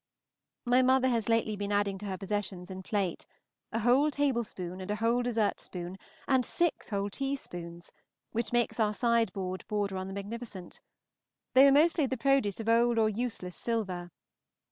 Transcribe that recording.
My mother has been lately adding to her possessions in plate, a whole tablespoon and a whole dessert spoon, and six whole teaspoons, which makes our sideboard border on the magnificent. They were mostly the produce of old or useless silver.